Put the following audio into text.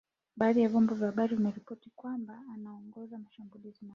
Na badhi ya vyombo vya habari vimeripoti kwamba anaongoza mashambulizi mapya.